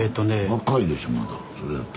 若いでしょまだそれやったら。